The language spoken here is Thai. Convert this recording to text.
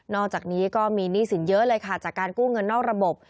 อกจากนี้ก็มีหนี้สินเยอะเลยค่ะจากการกู้เงินนอกระบบ